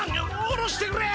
おろしてくれ。